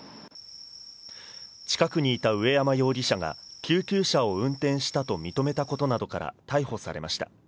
近くにいた上山容疑者が救急車を運転したと認めたことなどから、逮捕されました。